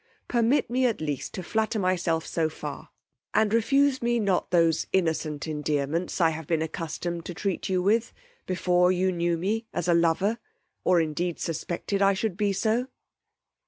Permit me at least to flatter myself so far, and refuse me not those innocent endearments I have been accustomed to treat you with; before you knew me as a lover, or I indeed suspected I should be so.